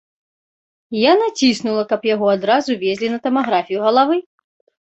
Я націснула, каб яго адразу везлі на тамаграфію галавы.